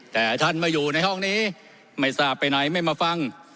แต่ท่านมาอยู่ในห้องนี้ไม่ทราบไปไหนไม่มาฟัง